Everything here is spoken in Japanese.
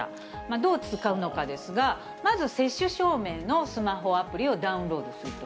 どう使うのかですが、まず接種証明のスマホアプリをダウンロードすると。